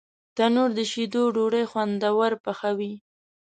تنور د شیدو ډوډۍ خوندور پخوي